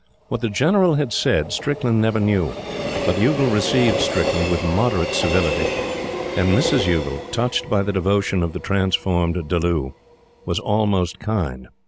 What the General had said Strickland never knew, but Youghal received Strickland with moderate civility; and Mrs. Youghal, touched by the devotion of the transformed Dulloo, was almost kind.